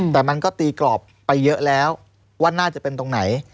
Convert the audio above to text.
แต่มันก็ตีกรอบไปเยอะแล้วว่าน่าจะเป็นตรงไหน